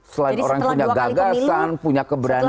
selain orang yang punya gagasan punya keberanian